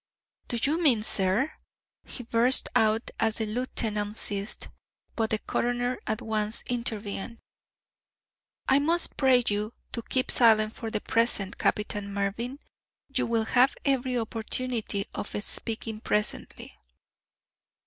"Do you mean, sir ?" he burst out as the lieutenant ceased; but the coroner at once intervened. "I must pray you to keep silent for the present, Captain Mervyn. You will have every opportunity of speaking presently.